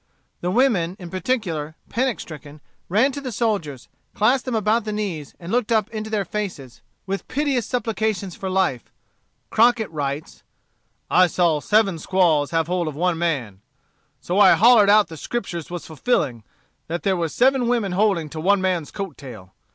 The women in particular, panic stricken, ran to the soldiers, clasped them about the knees, and looked up into their faces with piteous supplications for life. Crockett writes: "I saw seven squaws have hold of one man. So I hollered out the Scriptures was fulfilling; that there was seven women holding to one man's coat tail.